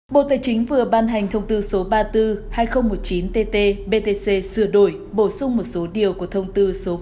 bộ tài chính vừa ban hành thông tư số ba mươi bốn hai nghìn một mươi chín tt btc sửa đổi bổ sung một số điều của thông tư số bốn mươi hai nghìn một mươi tám tt btc